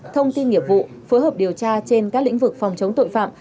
thông tin nghiệp vụ phối hợp điều tra trên các lĩnh vực phòng chống tội phạm